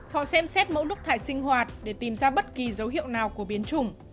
họ xem xét mẫu nước thải sinh hoạt để tìm ra bất kỳ dấu hiệu nào của biến chủng